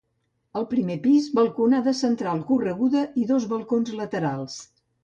Al primer pis balconada central correguda i dos balcons laterals.